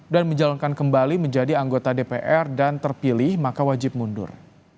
dan menjalankan kembali menjadi anggota dpr dan terpilih maka wajib mundur